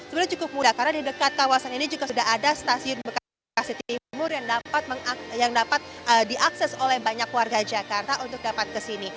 sebenarnya cukup mudah karena di dekat kawasan ini juga sudah ada stasiun bekasi timur yang dapat diakses oleh banyak warga jakarta untuk dapat ke sini